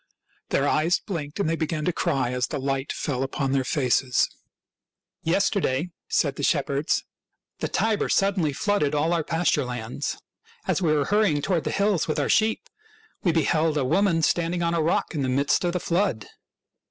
Their eyes blinked, and they began to cry as the light fell upon their faces. " Yesterday," said the shepherds, " the Tiber suddenly flooded all our pasture lands. As we were hurrying toward the hills with our sheep we beheld a woman standing on a rock in the midst of the flood.